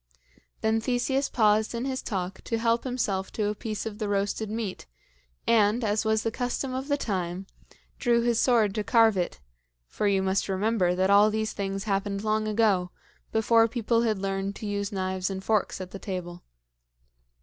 Then Theseus paused in his talk to help himself to a piece of the roasted meat, and, as was the custom of the time, drew his sword to carve it for you must remember that all these things happened long ago, before people had learned to use knives and forks at the table.